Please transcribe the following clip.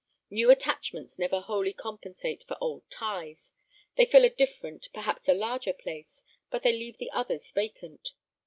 New attachments never wholly compensate for old ties. They fill a different, perhaps a larger place, but they leave the others vacant.